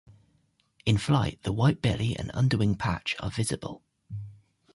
In flight the white belly and underwing patch are visible.